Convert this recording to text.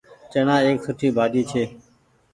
چڻآ ايڪ سُٺي ڀآڃي ڇي۔